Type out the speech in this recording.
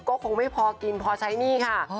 ก็คงไม่พอกินพอใช้หนี้ค่ะ